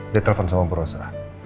dia telepon sama purwosa